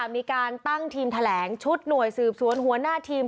มีการตั้งทีมแถลงชุดหน่วยสืบสวนหัวหน้าทีม